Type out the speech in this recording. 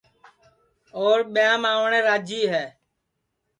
اور ٻیاںم آوٹؔے راجی ہے